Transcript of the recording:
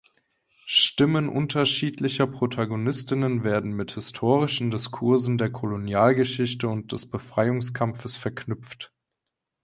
Stimmen unterschiedlicher Protagonistinnen werden mit historischen Diskursen der Kolonialgeschichte und des Befreiungskampfes verknüpft.